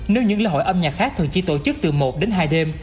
nếu những lễ hội âm nhạc khác thường chỉ tổ chức từ một đến hai đêm